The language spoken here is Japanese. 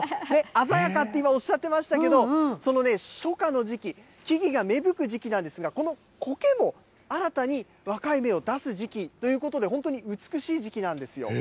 鮮やかって今、おっしゃってましたけど、そのね、初夏の時期、木々が芽吹く時期なんですが、このコケも、新たに若い芽を出す時期ということで、本当に美しい時期なんですよ。